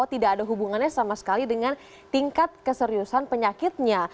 tidak ada hubungannya sama sekali dengan tingkat keseriusan penyakitnya